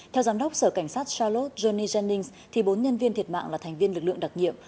theo giám đốc sở cảnh sát charlotte johnny jennings thì bốn nhân viên thiệt mạng là thành viên lực lượng đặc nhiệm